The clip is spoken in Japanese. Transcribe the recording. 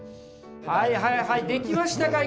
はいはいはい出来ましたか？